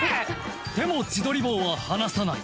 でも自撮り棒は離さない